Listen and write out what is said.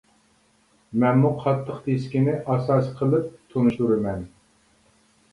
مەنمۇ قاتتىق دىسكىنى ئاساس قىلىپ تونۇشتۇرىمەن.